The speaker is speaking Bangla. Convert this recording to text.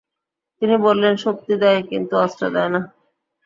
তিনি বললেন, শক্তি দেয়, কিন্তু অস্ত্র দেয় না।